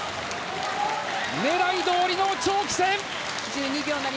狙いどおりの長期戦。